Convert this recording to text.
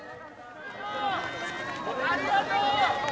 ありがとう！